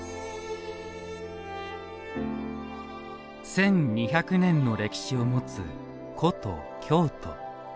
１２００年の歴史を持つ古都・京都。